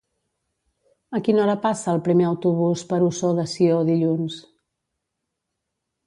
A quina hora passa el primer autobús per Ossó de Sió dilluns?